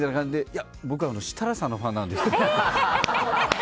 いや、僕は設楽さんのファンなんですって。